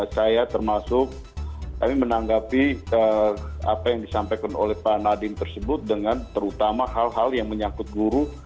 saya termasuk kami menanggapi apa yang disampaikan oleh pak nadiem tersebut dengan terutama hal hal yang menyangkut guru